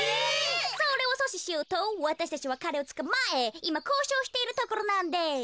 それをそししようとわたしたちはかれをつかまえいまこうしょうしているところなんです。